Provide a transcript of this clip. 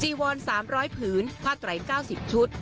จีวร๓๐๐ผืนผ้าใด๙๐ชุด